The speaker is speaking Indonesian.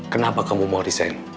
kenapa kamu mau resign